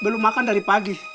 belum makan dari pagi